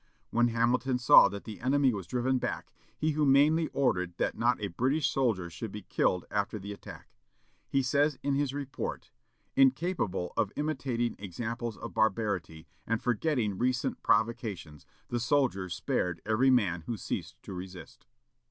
When Hamilton saw that the enemy was driven back, he humanely ordered that not a British soldier should be killed after the attack. He says in his report, "Incapable of imitating examples of barbarity, and forgetting recent provocations, the soldiers spared every man who ceased to resist."